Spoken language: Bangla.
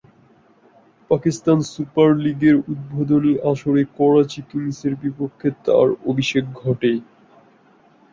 পাকিস্তান সুপার লীগের উদ্বোধনী আসরে করাচী কিংসের বিপক্ষে তার অভিষেক ঘটে।